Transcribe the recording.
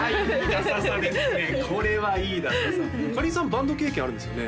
バンド経験あるんですよね？